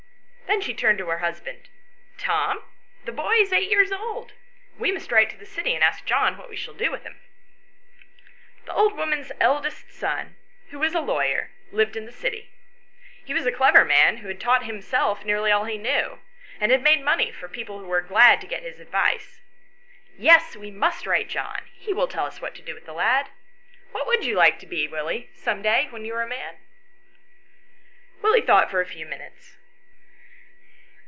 Then she turned to her husband. "Tom, the boy is eight years old. We must write to the city and ask John what we shall do with him." The old woman's eldest son, who was a lawyer, lived in the city. He was a clever man, who had taught himself nearly all he knew and had made money, for people were glad to get his advice. "Yes, we must write to John. He will tell us what to do with the lad. What would you like to be, Willie, some day when you are a man ?" Then Willie thought for a few minutes.